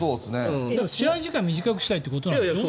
試合時間を短くしたいってことでしょ。